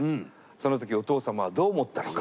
その時お父様はどう思ったのか。